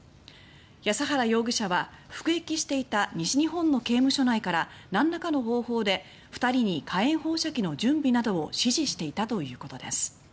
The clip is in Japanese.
安原容疑者は、服役していた西日本の刑務所内からなんらかの方法で２人に火炎放射器の準備などを指示していたということです。